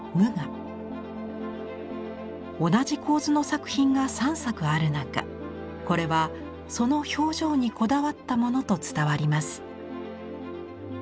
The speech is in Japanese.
同じ構図の作品が３作ある中これはその表情にこだわったものと伝わります。